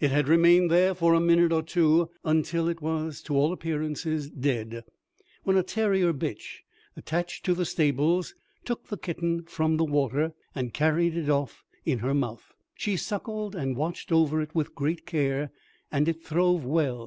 It had remained there for a minute or two, until it was to all appearance dead, when a terrier bitch, attached to the stables, took the kitten from the water, and carried it off in her mouth. She suckled and watched over it with great care, and it throve well.